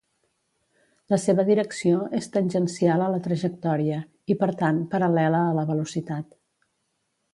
La seva direcció és tangencial a la trajectòria i, per tant, paral·lela a la velocitat.